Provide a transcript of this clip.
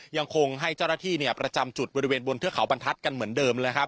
ยังคงให้เจ้าหน้าที่ประจำจุดบริเวณบนเทือกเขาบรรทัศน์กันเหมือนเดิมนะครับ